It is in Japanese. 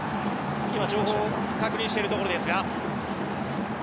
今、情報を確認しているところです。